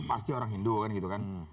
pasti orang hindu kan gitu kan